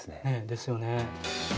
ですよね。